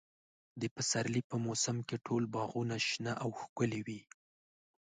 د پسرلي په موسم کې ټول باغونه شنه او ښکلي وي.